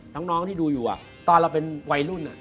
ตอนเราเป็นวัยรุ่น